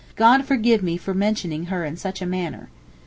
God forgive me for mentioning her in such a manner.